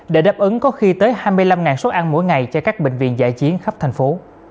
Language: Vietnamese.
để đáp ứng có khi tới hai mươi năm suất ăn mỗi ngày cho các bệnh viện giải chiến khắp thành phố